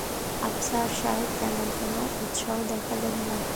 আফসার সাহেব তেমন কোনো উৎসাহ দেখালেন না।